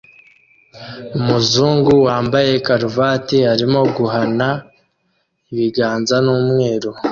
Umuzungu wambaye karuvati arimo guhana ibiganza n'umweru